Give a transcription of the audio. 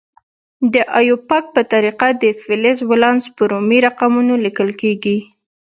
د ایوپاک په طریقه د فلز ولانس په رومي رقمونو لیکل کیږي.